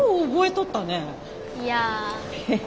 いや。